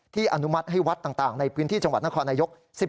อนุมัติให้วัดต่างในพื้นที่จังหวัดนครนายก